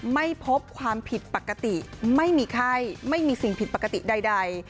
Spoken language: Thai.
ไม่พบความผิดปกติไม่มีไข้ไม่มีสิ่งผิดปกติใด